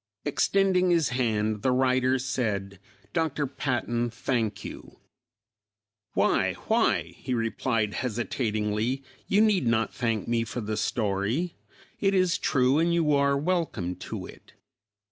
Extending his hand the writer said, "Dr. Patton, thank you." "Why, why," he replied hesitatingly, "you need not thank me for the story; it is true and you are welcome to it."